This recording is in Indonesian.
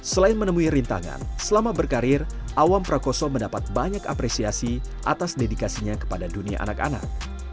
selain menemui rintangan selama berkarir awam prakoso mendapat banyak apresiasi atas dedikasinya kepada dunia anak anak